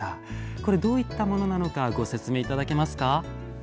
これどういったものなのかご説明頂けますか？